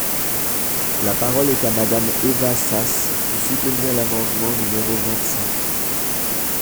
La parole est à Madame Eva Sas, pour soutenir l’amendement numéro vingt-cinq.